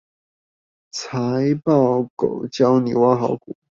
財報狗教你挖好股